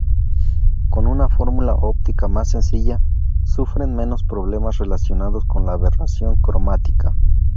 Con una fórmula óptica más sencilla, sufren menos problemas relacionados con la aberración cromática.